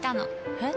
えっ？